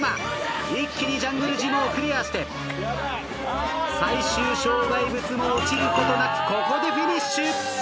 一気にジャングルジムをクリアして最終障害物も落ちることなくここでフィニッシュ！